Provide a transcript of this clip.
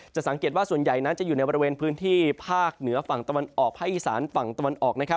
สังเกตว่าส่วนใหญ่นั้นจะอยู่ในบริเวณพื้นที่ภาคเหนือฝั่งตะวันออกภาคอีสานฝั่งตะวันออก